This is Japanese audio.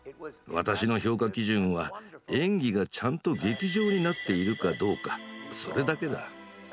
私の評価基準は演技がちゃんと「劇場」になっているかどうかそれだけだ。